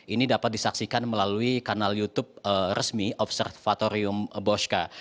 ini dapat disaksikan melalui kanal youtube resmi observatorium bosca